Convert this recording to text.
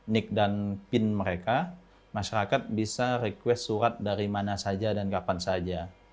nik dan pin mereka masyarakat bisa request surat dari mana saja dan kapan saja